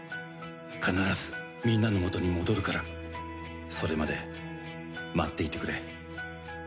「必ずみんなの元に戻るからそれまで待っていてくれ」